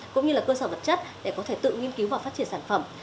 cũng như là cơ sở vật chất để có thể tự nghiên cứu và phát triển sản phẩm